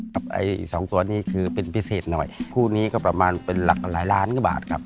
ไอ้สองตัวนี้คือเป็นพิเศษหน่อยคู่นี้ก็ประมาณเป็นหลักหลายล้านกว่าบาทครับ